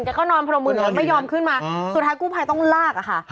ก็นอนพนมมือไม่ยอมขึ้นมาสุดท้ายกู้ภัยต้องลากอะค่ะ